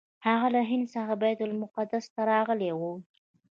هغه له هند څخه بیت المقدس ته راغلی و.